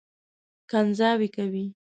کنځاوې کوي.